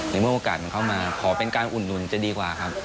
ในเมื่อโอกาสมันเข้ามาขอเป็นการอุดหนุนจะดีกว่าครับ